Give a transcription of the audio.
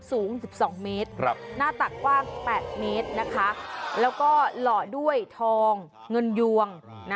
สูง๑๒เมตรหน้าตักกว้าง๘เมตรนะคะแล้วก็หล่อด้วยทองเงินยวง